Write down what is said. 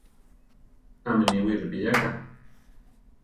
¿Ámi niwi ripiyáka?